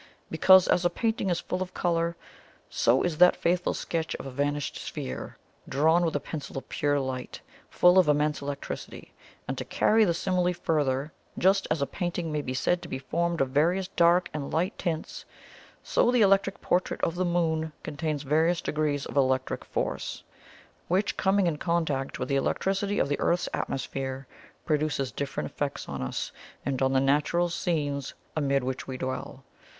Because, as a painting is full of colour, so is that faithful sketch of a vanished sphere, drawn with a pencil of pure light, full of immense electricity; and to carry the simile further, just as a painting may be said to be formed of various dark and light tints, so the electric portrait of the Moon contains various degrees of electric force which, coming in contact with the electricity of the Earth's atmosphere, produces different effects on us and on the natural scenes amid which we dwell.